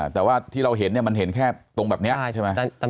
แต่ว่าที่เราเห็นเนี่ยมันเห็นแค่ตรงแบบนี้ใช่ไหม